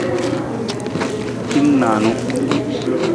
Hin niinu.